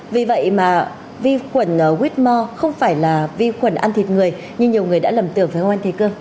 vì vậy mà vi khuẩn whitmore không phải là vi khuẩn ăn thịt người như nhiều người đã lầm tưởng phải không anh thầy cương